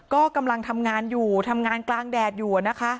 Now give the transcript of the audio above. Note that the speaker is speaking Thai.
ก็กำลังทำงานอยู่ทำงานกลางแดดอยู่นะคะ